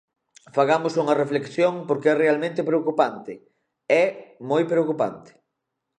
Fagamos unha reflexión porque é realmente preocupante, é moi preocupante.